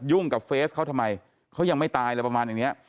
ยุ่งกับเฟซเขาทำไมเขายังไม่ตายประมาณอย่างนี้